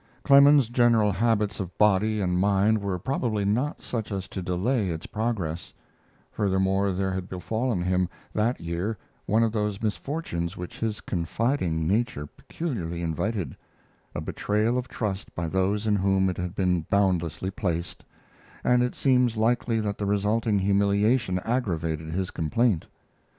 Clemens's general habits of body and mind were probably not such as to delay its progress; furthermore, there had befallen him that year one of those misfortunes which his confiding nature peculiarly invited a betrayal of trust by those in whom it had been boundlessly placed and it seems likely that the resulting humiliation aggravated his complaint.